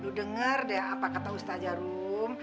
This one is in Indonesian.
lu denger deh apa kata ustazah rum